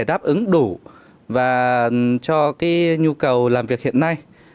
đáp ứng đủ và cho nhu cầu làm việc hiện nay